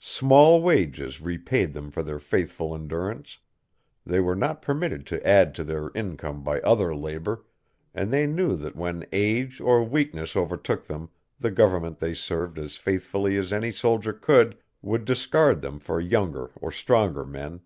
Small wages repaid them for their faithful endurance; they were not permitted to add to their income by other labor, and they knew that when age or weakness overtook them the government they served as faithfully as any soldier could, would discard them for younger or stronger men.